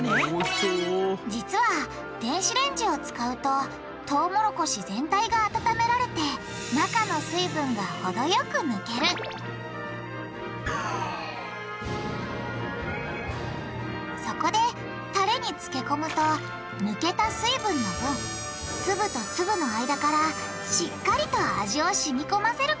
実は電子レンジを使うとトウモロコシ全体が温められて中の水分が程よくぬけるそこでタレにつけこむとぬけた水分の分粒と粒の間からしっかりと味をしみこませることができるんだ！